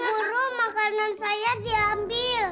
buruh makanan saya diambil